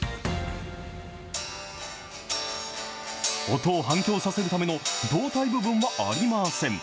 音を反響させるための胴体部分はありません。